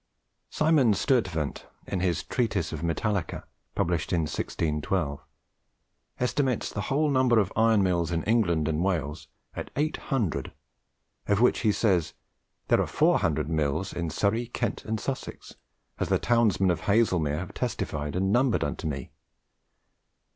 Simon Sturtevant, in his 'Treatise of Metallica,' published in 1612, estimates the whole number of iron mills in England and Wales at 800, of which, he says, "there are foure hundred milnes in Surry, Kent, and Sussex, as the townsmen of Haslemere have testified and numbered unto me."